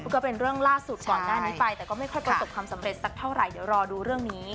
ก็เป็นเรื่องล่าสุดก่อนหน้านี้ไปแต่ก็ไม่ค่อยประสบความสำเร็จสักเท่าไหร่เดี๋ยวรอดูเรื่องนี้